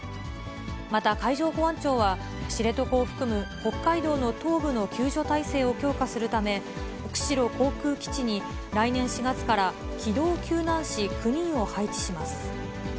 また海上保安庁は、知床を含む北海道の東部の救助体制を強化するため、釧路航空基地に来年４月から機動救難士９人を配置します。